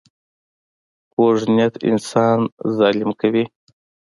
کوږ نیت انسان ظالم کوي